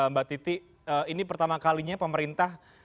mbak titi ini pertama kalinya pemerintah